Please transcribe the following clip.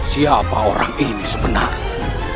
siapa orang ini sebenarnya